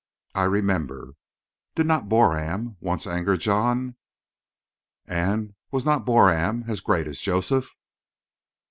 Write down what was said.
I remember. Did not Boram once anger John? And was not Boram as great as Joseph?